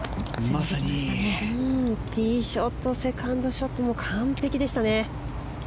ティーショットセカンドショット完璧でしたね。